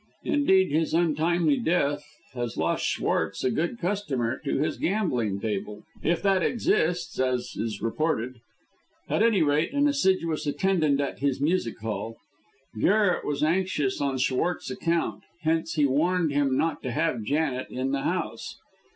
Indeed, his untimely death has lost Schwartz a good customer to his gambling table, if that exists, as is reported; at any rate, an assiduous attendant at his music hall. Garret was anxious on Schwartz's account, hence he warned him not to have Janet in the house.